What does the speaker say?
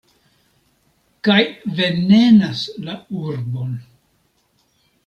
Kaj venenas la urbon.